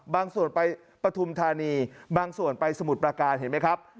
ส่วนไปปฐุมธานีบางส่วนไปสมุทรประการเห็นไหมครับ